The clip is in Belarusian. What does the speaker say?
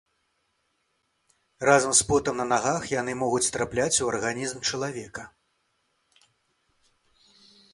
Разам з потам на нагах яны могуць трапляць у арганізм чалавека.